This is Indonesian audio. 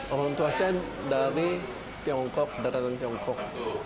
orang tua saya dari tiongkok dari tiongkok